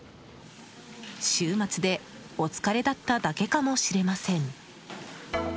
週末でお疲れだっただけかもしれません。